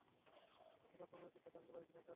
এখন সময় এসেছে গাঙুবাইকে ডাকার।